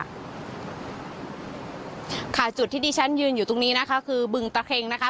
ค่ะจุดที่ที่ฉันยืนอยู่ตรงนี้นะคะคือบึงตะเครงนะคะ